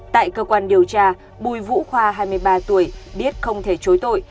tại cơ quan điều tra bùi vũ khoa hai mươi ba tuổi biết không thể chối tội